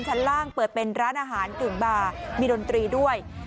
ชั้นล่างเปิดเป็นร้านอาหารกึ่งบาร์มีดนตรีด้วย